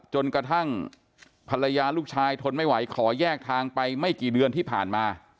จนกระทั่งภรรยาลูกชายทนไม่ไหวขอแยกทางไปไม่กี่เดือนที่ผ่านมา